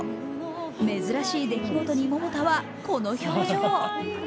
珍しい出来事に桃田はこの表情。